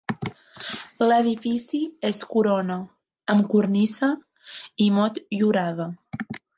L'edifici es corona amb cornisa i motllurada.